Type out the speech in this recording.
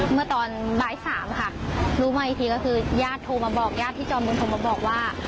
เมื่อตอนบ้าน๓ค่ะรู้อีกทีก็คือญาติที่จอมมือโทรมาบอกว่า